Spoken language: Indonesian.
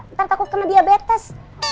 ntar takut kena diabetes